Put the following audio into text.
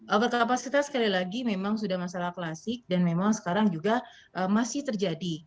over kapasitas sekali lagi memang sudah masalah klasik dan memang sekarang juga masih terjadi